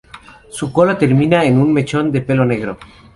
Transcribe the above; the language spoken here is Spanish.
Su cola termina en un mechón de pelo negro.